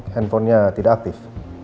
handphone nya tidak aktif